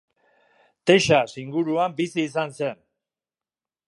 Texas inguruan bizi izan zen.